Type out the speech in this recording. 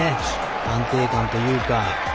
安定感というか。